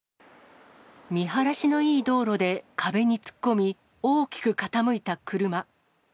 見晴らしのいい道路で壁に突っ込み、大きく傾いた車。